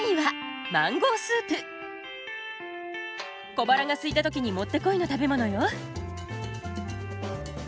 小腹がすいた時にもってこいの食べ物よ。